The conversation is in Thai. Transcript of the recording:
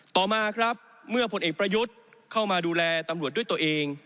ต่อมาครับเมื่อผลเอกประยุทธ์เข้ามาดูแลตำรวจด้วยตัวเอง